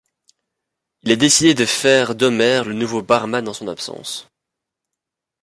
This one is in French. Il a décidé de faire d'Homer le nouveau barman en son absence.